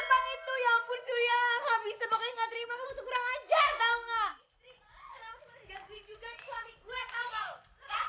ada yang mau dikurein lu diceraiin